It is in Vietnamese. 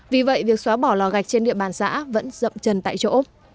vì vậy việc xóa bỏ lò gạch trên địa bàn xã vẫn rậm chân tại chỗ